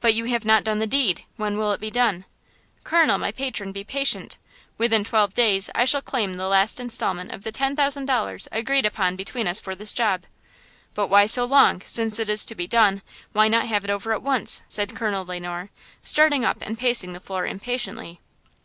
"But you have not done the deed! When will it be done?" "Colonel, my patron, be patient! Within twelve days I shall claim the last instalment of the ten thousand dollars agreed upon between us for this job!" "But why so long, since it is to be done, why not have it over at once?" said Colonel Le Noir, starting up and pacing the floor impatiently.